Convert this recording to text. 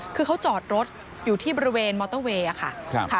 คือเขาจอดรถอยู่ที่บริเวณมอเตอร์เวย์ค่ะ